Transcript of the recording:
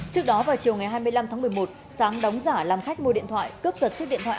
trước đó vào chiều ngày hai mươi năm tháng một mươi một sáng đóng giả làm khách mua điện thoại cướp giật chiếc điện thoại